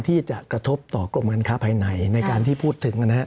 ที่จะกระทบต่อกรมการค้าภายในในการที่พูดถึงนะครับ